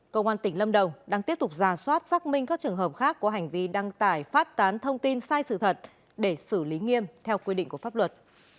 công an tỉnh lâm đồng đang tiếp tục giả soát xác minh các trường hợp khác có hành vi đăng tải phát tán thông tin sai sự thật để xử lý nghiêm theo quy định của pháp luật